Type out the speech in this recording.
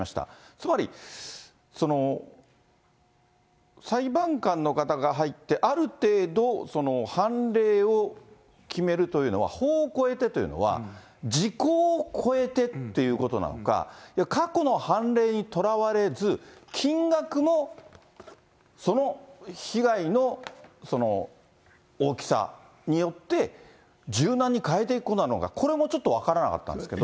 つまり、裁判官の方が入って、ある程度、判例を決めるというのは、法を超えてというのは、時効を超えてっていうことなのか、いや、過去の判例にとらわれず、金額もその被害の大きさによって、柔軟に変えていくのか、これもちょっと分からなかったんですけど。